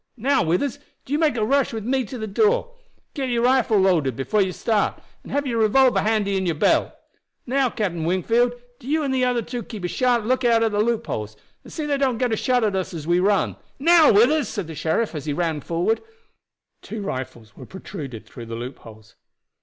"Now, Withers, do you make a rush with me to the door. Get your rifle loaded before you start, and have your revolver handy in your belt. Now, Captain Wingfield, do you and the other two keep a sharp lookout at the loopholes, and see that they don't get a shot at us as we run. Now, Withers," and the sheriff ran forward. Two rifles were protruded through the loopholes.